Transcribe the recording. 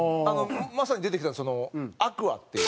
まさに出てきたＡＱＵＡっていう。